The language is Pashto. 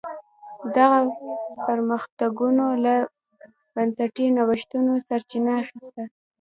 دغه پرمختګونو له بنسټي نوښتونو سرچینه اخیسته.